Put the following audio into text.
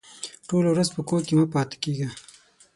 ټوله ورځ په کور کې مه پاته کېږه!